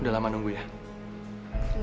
tidak ada apa apa ilsis